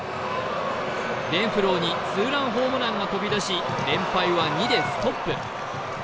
レンフローにツーランホームランが飛び出し連敗は２でストップ。